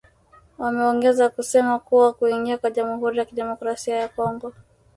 Wameongeza kusema kuwa kuingia kwa jamuhuri ya kidemokrasia ya Kongo